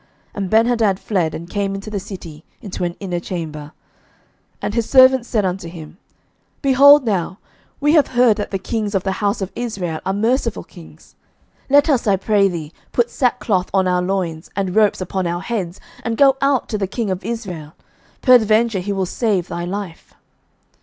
And Benhadad fled, and came into the city, into an inner chamber. 11:020:031 And his servants said unto him, Behold now, we have heard that the kings of the house of Israel are merciful kings: let us, I pray thee, put sackcloth on our loins, and ropes upon our heads, and go out to the king of Israel: peradventure he will save thy life.